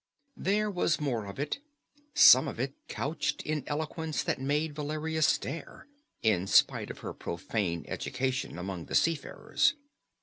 There was more of it some of it couched in eloquence that made Valeria stare, in spite of her profane education among the seafarers.